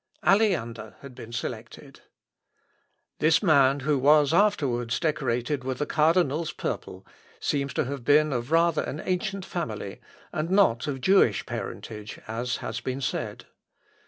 Aleander had been selected. This man, who was afterwards decorated with the cardinals' purple, seems to have been of rather an ancient family, and not of Jewish parentage as has been said.